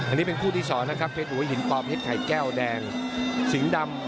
อันนี้เป็นคู่ที่สองนะครับเพชรหัวหินปอเพชรไข่แก้วแดงสิงห์ดำ